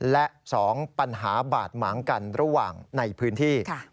และ๒ปัญหาบาดหมางกันระหว่างในพื้นที่